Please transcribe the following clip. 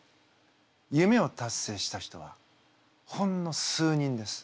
夢を達成した人はほんの数人です。